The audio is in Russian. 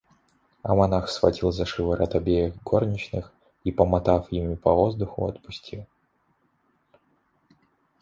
А монах схватил за шиворот обеих горничных и, помотав ими по воздуху, отпустил.